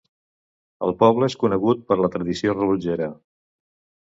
El poble és conegut per la tradició rellotgera.